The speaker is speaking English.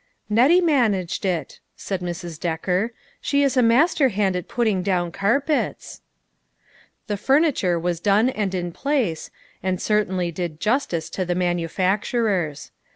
" Nettie managed it," said Mrs. Decker, "she is a master hand at putting down carpets." The furniture was done and in place, and cer tainly did justice to the manufacturers.